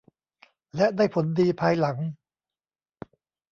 และได้ผลดีภายหลัง